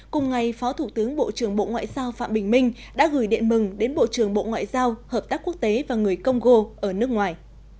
cùng ngày phó thủ tướng bộ trưởng bộ ngoại giao phạm bình minh đã gửi điện mừng đến bộ trưởng bộ ngoại giao hợp tác quốc tế và người congo ở nước ngoài